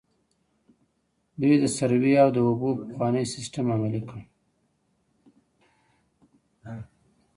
دوی د سروې او د اوبو پخوانی سیستم عملي کړ.